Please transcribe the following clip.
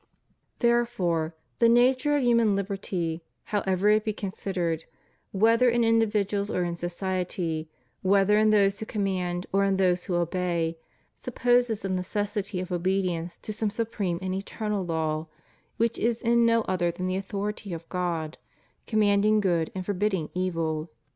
Therefore, the nature of human hberty, however it be considered, whether in individuals or in society, whether in those who command or in those who obey, supposes the necessity of obedience to some supreme and eternal law, which is no other than the authority of God, com manding good and forbidding evil.